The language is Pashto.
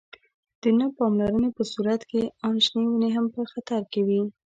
د نه پاملرنې په صورت کې آن شنې ونې هم په خطر کې وي.